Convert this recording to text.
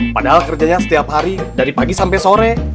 padahal kerjanya setiap hari dari pagi sampai sore